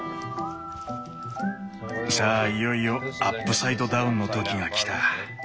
さあいよいよアップサイドダウンの時が来た。